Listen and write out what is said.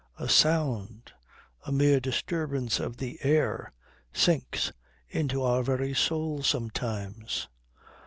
A sound, a mere disturbance of the air, sinks into our very soul sometimes.